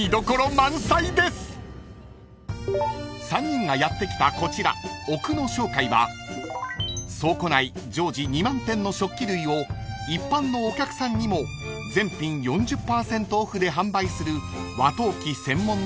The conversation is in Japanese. ［３人がやって来たこちら奥野商会は倉庫内常時２万点の食器類を一般のお客さんにも全品４０％オフで販売する和陶器専門の卸問屋さんです］